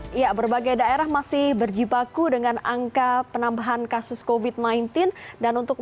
ya berbagai daerah masih berjibaku dengan angka penambahan kasus covid sembilan belas dan untuk